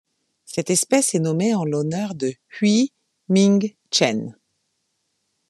Cette espèce est nommée en l'honneur de Hui-ming Chen.